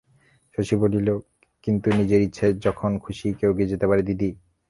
শশী বলিল, কিন্তু নিজের ইচ্ছায় যখন খুশি কেউ কি যেতে পারে দিদি?